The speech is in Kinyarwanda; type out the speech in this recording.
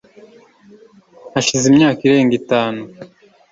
hashize imyaka irenga itanu